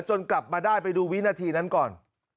กลับมาได้ไปดูวินาทีนั้นก่อน